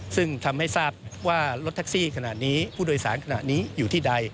ซึ่งทำให้ทราบว่ารถแท็กซี่ขณะนี้ผู้โดยสารขณะนี้อยู่ที่ใด